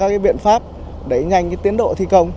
và đưa ra các biện pháp đẩy nhanh tiến độ thi công